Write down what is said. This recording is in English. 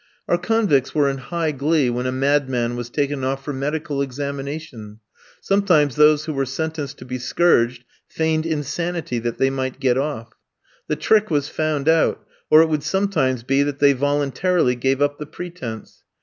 Our convicts were in high glee when a madman was taken off for medical examination; sometimes those who were sentenced to be scourged, feigned insanity that they might get off. The trick was found out, or it would sometimes be that they voluntarily gave up the pretence.